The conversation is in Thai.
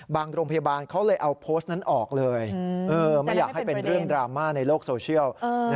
โรงพยาบาลเขาเลยเอาโพสต์นั้นออกเลยไม่อยากให้เป็นเรื่องดราม่าในโลกโซเชียล